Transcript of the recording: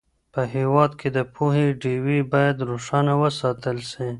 په هېواد کې د پوهې ډېوې باید روښانه وساتل سي.